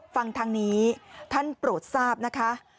ฟังทางนี้ท่านโปรดทราบนะคะ